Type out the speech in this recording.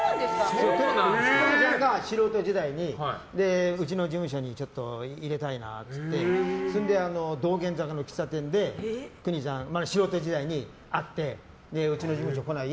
邦ちゃんが素人時代にうちの事務所にちょっと入れたいなってそれで道玄坂の喫茶店で邦ちゃんの素人時代に会ってうちの事務所来ない？